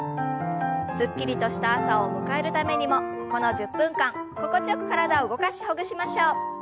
すっきりとした朝を迎えるためにもこの１０分間心地よく体を動かしほぐしましょう。